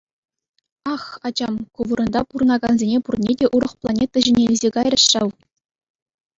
Ах, ачам, ку вырӑнта пурӑнакансене пурне те урӑх планета ҫине илсе кайрӗҫ ҫав.